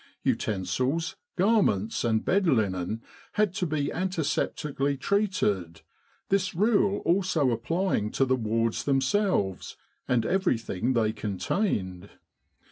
Utensils, garments, and bed linen had to be antiseptically treated, this rule also applying to the wards themselves and everything they con tained.